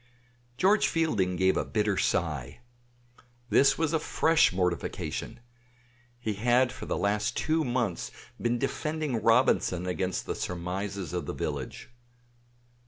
George Fielding gave a bitter sigh. This was a fresh mortification. He had for the last two months been defending Robinson against the surmises of the village.